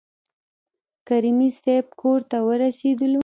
کریمي صیب کورته ورسېدلو.